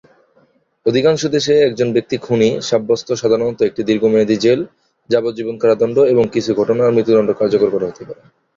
অধিকাংশ দেশে, একজন ব্যক্তি খুনি সাব্যস্ত সাধারণত একটি দীর্ঘমেয়াদী জেল, যাবজ্জীবন কারাদণ্ড; এবং কিছু ঘটনায় মৃত্যুদণ্ড কার্যকর করা হতে পারে।